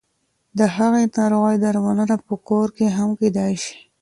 د هغې ناروغۍ درملنه په کور کې هم کېدای شي.